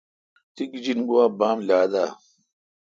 تی گیجین گوا بام لا دہ۔